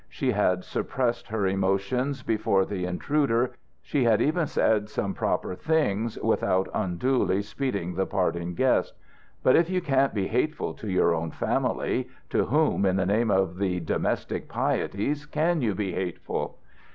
She had suppressed her emotions before the intruder; she had even said some proper things without unduly speeding the parting guest. But if you can't be hateful to your own family, to whom, in the name of the domestic pieties, can you be hateful?